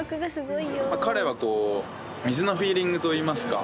彼はこう水のフィーリングといいますか。